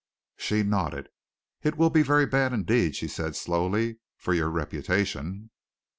She nodded. "It will be very bad indeed," she said slowly, "for your reputation."